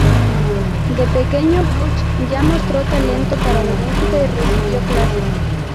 De pequeño Bruch ya mostró talento para la música y recibió clases.